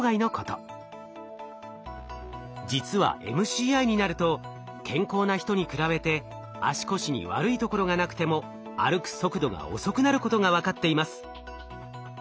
実はＭＣＩになると健康な人に比べて足腰に悪いところがなくても歩く速度が遅くなることが分かっています。